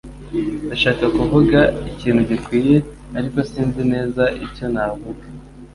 Ndashaka kuvuga ikintu gikwiye, ariko sinzi neza icyo navuga.